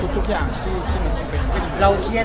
ทุกอย่างที่มันเป็น